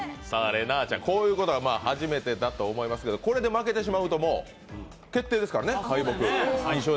こういうことが初めてだと思いますけれども、これで負けてしまうともう決定ですからね、敗北が。